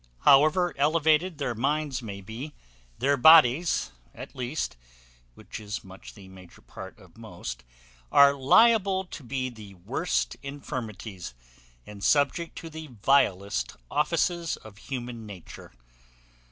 However elevated their minds may be, their bodies at least (which is much the major part of most) are liable to the worst infirmities, and subject to the vilest offices of human nature.